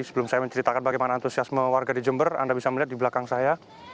sebelum saya menceritakan bagaimana antusiasme warga di jember anda bisa melihat di belakang saya